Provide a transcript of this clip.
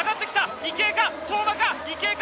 池江か、相馬か！